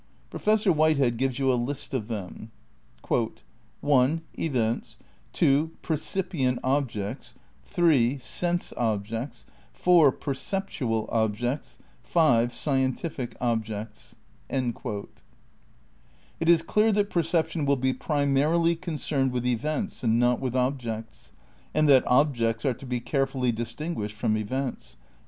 Professor Whitehead gives you a list of them. "i) Events,(ii) percipient objects^iii) sense objects ^|v) perceptual objects V) scientific objects.'" It is clear that perception will be primarily concerned with events and not with objects and that objects are to be carefully distinguished from events.